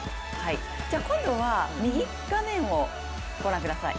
今度は右画面をご覧ください。